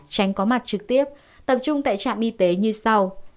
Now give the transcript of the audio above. tránh có mặt trực tiếp tập trung tại trạm y tế như sau